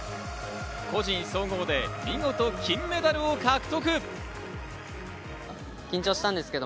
個人総合で見事、金メダルを獲得。